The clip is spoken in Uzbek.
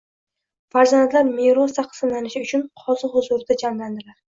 Farzandlar meros taqsimlanishi uchun qozi huzurida jamlandilar.